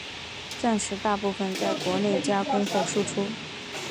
钻石大部份在国内加工后输出。